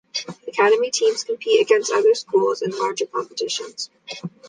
Academy teams compete against other schools and in larger competitions.